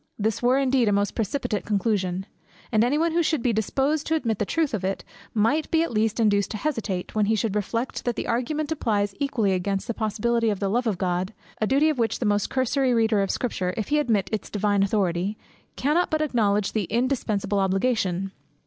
This were indeed a most precipitate conclusion; and any one who should be disposed to admit the truth of it, might be at least induced to hesitate, when he should reflect that the argument applies equally against the possibility of the love of God, a duty of which the most cursory reader of Scripture, if he admit its divine authority, cannot but acknowledge the indispensable obligation.